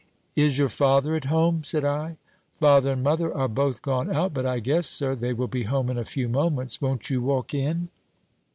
"Is your father at home?" said I. "Father and mother are both gone out; but I guess, sir, they will be home in a few moments: won't you walk in?"